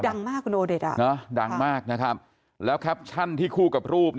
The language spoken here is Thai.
ดังมากคุณโอเด็ดแล้วแคปชั่นที่คู่กับรูป